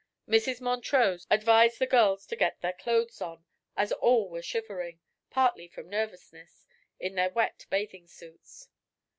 Mrs. Montrose advised the girls to get their clothes on, as all were shivering partly from nervousness in their wet bathing suits.